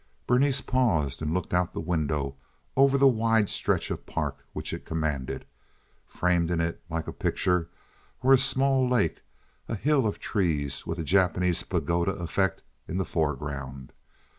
Berenice paused and looked out the window over the wide stretch of park which it commanded. Framed in it like a picture were a small lake, a hill of trees, with a Japanese pagoda effect in the foreground.